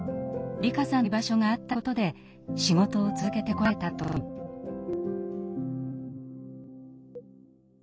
璃香さんの居場所があったことで仕事を続けてこられたといいます。